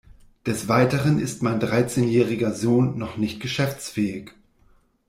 Des Weiteren ist mein dreizehnjähriger Sohn noch nicht geschäftsfähig.